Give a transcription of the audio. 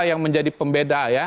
yang menjadi pembeda ya